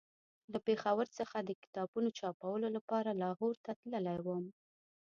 له پېښور څخه د کتابونو چاپولو لپاره لاهور ته تللی وم.